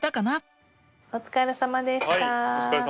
はいお疲れさまでした。